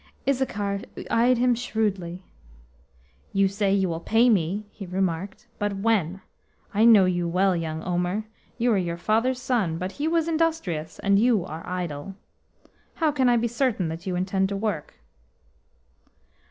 Issachar eyed him shrewdly. "You say you will pay me," he remarked, "but when? I know you well, young Omer. You are your father's son, but he was industrious, and you are idle. How can I be certain that you intend to work?"